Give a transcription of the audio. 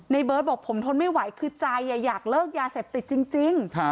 เบิร์ตบอกผมทนไม่ไหวคือใจอยากเลิกยาเสพติดจริง